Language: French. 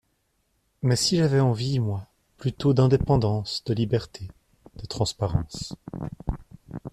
Mais si j’avais envie, moi, plutôt, d’indépendance, de liberté, de transparence?